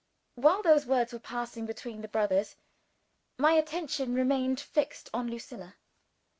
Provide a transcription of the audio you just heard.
While those words were passing between the brothers, my attention remained fixed on Lucilla.